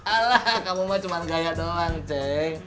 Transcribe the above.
alah kamu mah cuma gaya doang ceng